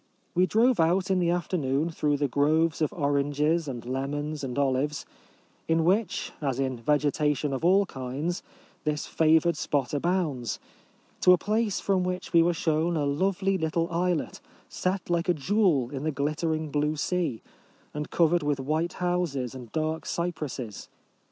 We drove out in the afternoon through the groves of oranges and lemons and olives, in which, as in vegetation of all kinds, this favoured spot abounds, to a place from which we were shown a lovely little islet, set like a jewel in the glittering blue sea, and covered with white houses and dark cypresses.